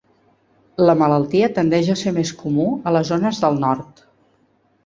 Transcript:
La malaltia tendeix a ser més comú a les zones del nord.